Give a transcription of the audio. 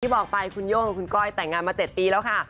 บอกไปคุณโย่งกับคุณก้อยแต่งงานมา๗ปีแล้วค่ะ